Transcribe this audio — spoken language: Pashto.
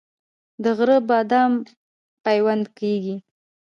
د غره بادام پیوند کیږي؟